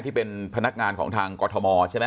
ที่เป็นพนักงานของทางกรทมใช่ไหม